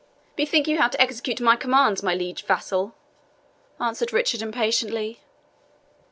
"Bethink you how to execute my commands, my liege vassal," answered Richard impatiently.